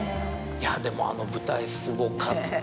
いやでもあの舞台すごかったですね。